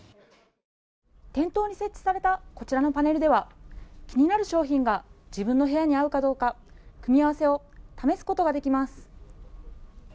店頭に設置されたこちらのパネルでは気になる商品が自分の部屋に合うかどうか組み合わせを試すことができます。